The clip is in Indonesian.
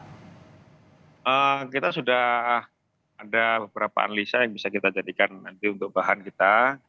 ya kita sudah ada beberapa analisa yang bisa kita jadikan nanti untuk bahan kita